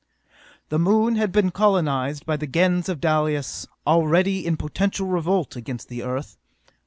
The Moon had been colonized by the Gens of Dalis, already in potential revolt against the Earth.